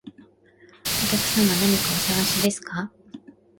お客様、何かお探しですか？